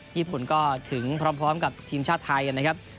ญี่ปุ่นก็ถึงพร้อมกับทีมชาติไทยนะครับ